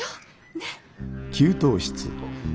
ねっ。